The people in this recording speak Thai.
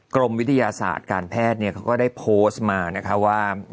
กรมวิทยาศาสตร์การแพทย์เขาก็ได้โพสต์มานะคะว่า